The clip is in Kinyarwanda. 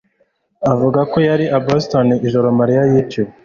avuga ko yari i Boston ijoro Mariya yiciwe